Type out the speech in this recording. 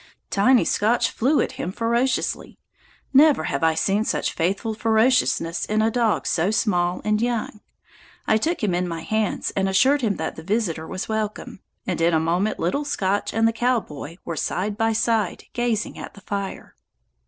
Tiny Scotch flew at him ferociously; never have I seen such faithful ferociousness in a dog so small and young. I took him in my hands and assured him that the visitor was welcome, and in a moment little Scotch and the cowboy were side by side gazing at the fire.